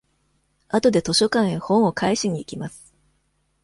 あとで図書館へ本を返しに行きます。